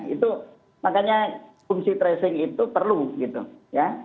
itu makanya fungsi tracing itu perlu gitu ya